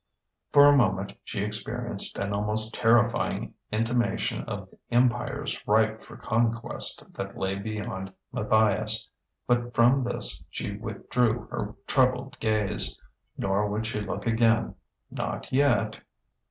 For a moment she experienced an almost terrifying intimation of empires ripe for conquest that lay beyond Matthias; but from this she withdrew her troubled gaze; nor would she look again; not yet....